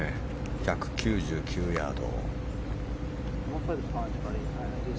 １９９ヤード。